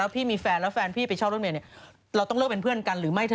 อุ๊ยแต่เพื่อนผู้ชายพี่มันก็มั่วอยู่ในกลุ่มแน่